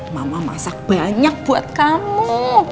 mama masak banyak buat kamu